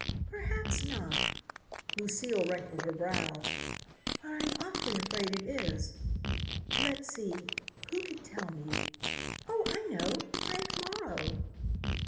"Perhaps not," Lucile wrinkled her brow, "but I am awfully afraid it is. Let's see who could tell me? Oh, I know Frank Morrow!"